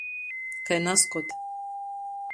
Kai nazkod.